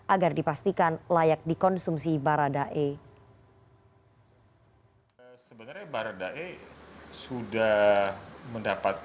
agar dipastikan layak dikonsumsi barada e